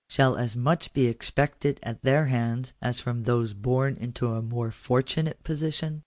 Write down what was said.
IShall as much be expected at their hands as from those born unto a more fortunate position